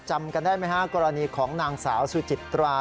จำกันได้ไหมฮะกรณีของนางสาวสุจิตรา